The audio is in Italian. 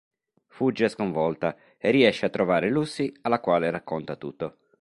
Fugge sconvolta e riesce a trovare Lucy alla quale racconta tutto.